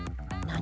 何？